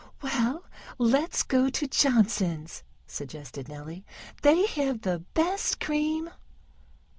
"Well, let's go to Johnson's," suggested Nellie. "They have the best cream."